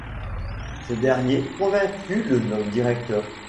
Ce dernier, convaincu, le nomme directeur.